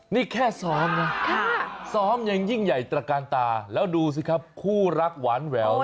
นี่แค่ซ้อมนะซ้อมยังยิ่งใหญ่ตระกาลตาแล้วดูสิครับคู่รักหวานแหวว